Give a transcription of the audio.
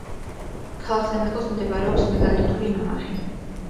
ქალაქთან ახლოს მდებარეობს მეგალითური ნამარხი.